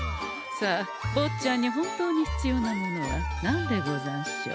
さあぼっちゃんに本当に必要なものは何でござんしょう？